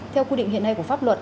theo quy định hiện nay của pháp luật